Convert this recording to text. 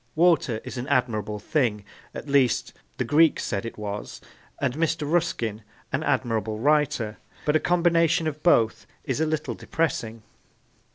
Water is an admirable thing at least, the Greeks said it was and Mr. Ruskin is an admirable writer; but a combination of both is a little depressing.